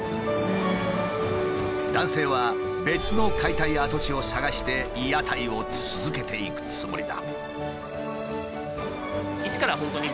男性は別の解体跡地を探して屋台を続けていくつもりだ。